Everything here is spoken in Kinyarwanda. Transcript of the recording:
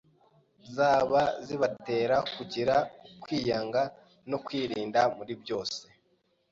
zaba zibatera kugira ukwiyanga no kwirinda muri byose,